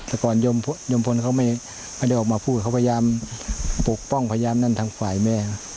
แต่ก่อนยมพลเขาไม่ได้ออกมาพูดเขาพยายามปกป้องพยายามนั่นทางฝ่ายแม่